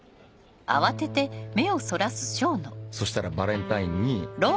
そしたらバレンタインに。